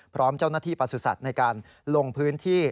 พร้อมเจ้าหน้าที่ประสุทธิ์ในการลงพื้นที่